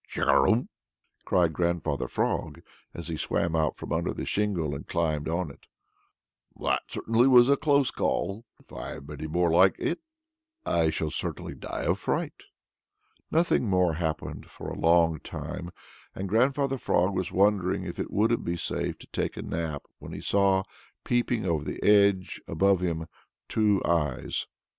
"Chugarum!" cried Grandfather Frog, as he swam out from under the shingle and climbed up on it, "That certainly was a close call. If I have many more like it, I certainly shall die of fright." Nothing more happened for a long time, and Grandfather Frog was wondering if it wouldn't be safe to take a nap when he saw peeping over the edge above him two eyes.